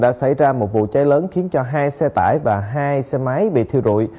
đã xảy ra một vụ cháy lớn khiến cho hai xe tải và hai xe máy bị thiêu rụi